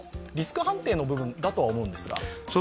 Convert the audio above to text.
リスク判定の部分だと思うんですが。